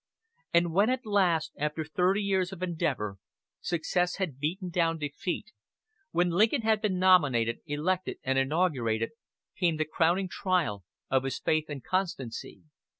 And when, at last, after thirty years of endeavor, success had beaten down defeat, when Lincoln had been nominated, elected and inaugurated, came the crowning trial of his faith and constancy.